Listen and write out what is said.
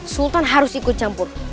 sultan harus ikut campur